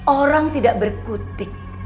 orang tidak berkutik